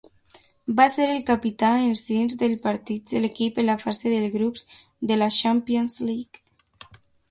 Va ser el capità en sis dels partits de l'equip en la fase de grups de la Champions League.